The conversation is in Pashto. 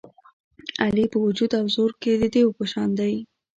علي په وجود او زور کې د دېو په شان دی.